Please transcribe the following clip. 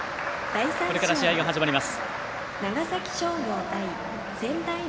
これから試合が始まります。